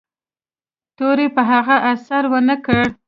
تورې په هغه اثر و نه کړ.